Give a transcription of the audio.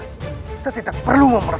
kita tidak perlu memerserik